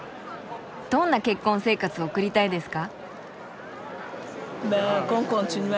どんな結婚生活を送りたいですか？